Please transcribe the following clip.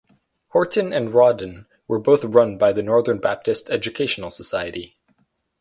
Horton and Rawdon were both run by the Northern Baptist Education Society.